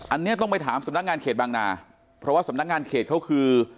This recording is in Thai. อันนี้ต้องไปถามสำนักงานเขตบางนาเพราะว่าสำนักงานเขตเขาคือ